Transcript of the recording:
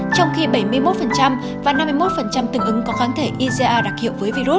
trong khi bảy mươi một và năm mươi một từng ứng có kháng thể iga đặc hiệu